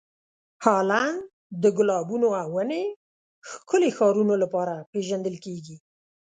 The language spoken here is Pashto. هالنډ د ګلابونو او ونې ښکلې ښارونو لپاره پېژندل کیږي.